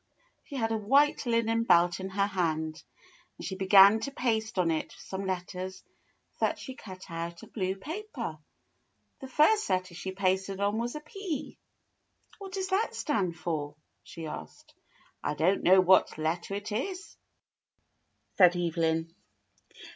She had a white linen belt in her hand, and she began to paste on it some letters that she cut out of blue paper. The first letter she pasted on was a P. "What does that stand for?" she asked. "I don't know what letter it is," said Evelyn.